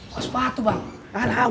masuk pas itu bang